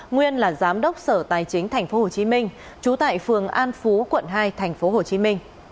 nguyên là giám đốc sở tài chính tp hcm trú tại phường an phú quận hai tp hcm